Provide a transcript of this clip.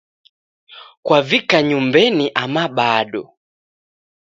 Kwavika nyumbenyi ama bado.